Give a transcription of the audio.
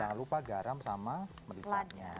jangan lupa garam sama mericanya